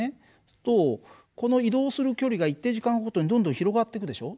するとこの移動する距離が一定時間ごとにどんどん広がっていくでしょ。